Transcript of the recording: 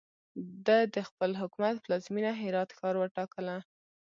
ده د خپل حکومت پلازمینه هرات ښار وټاکله.